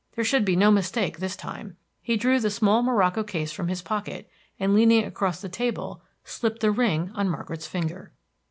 There should be no mistake this time. He drew the small morocco case from his pocket, and leaning across the table slipped the ring on Margaret's finger.